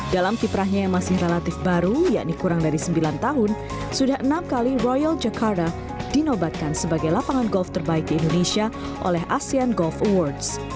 dalam kiprahnya yang masih relatif baru yakni kurang dari sembilan tahun sudah enam kali royal jakarta dinobatkan sebagai lapangan golf terbaik di indonesia oleh asean golf awards